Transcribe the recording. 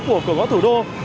của cửa ngõ thủ đô